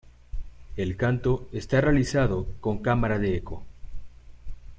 El canto está realizado con cámara de eco.